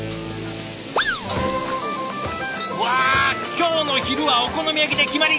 今日の昼はお好み焼きで決まり！